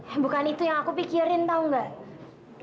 eh bukan itu yang aku pikirin tau gak